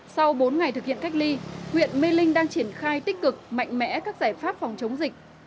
sau bốn ngày thực hiện cách ly huyện mê linh đang triển khai tích cực mạnh mẽ các giải pháp phòng chống dịch